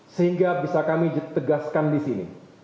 sehingga bisa kami tegaskan disini